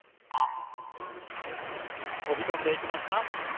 飛び込んでいきました。